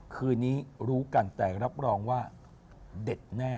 คืนนี้รู้กันแต่รับรองว่าเด็ดแน่